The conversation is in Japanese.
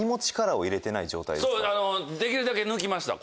できるだけ抜きました。